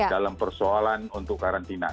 dalam persoalan untuk karantina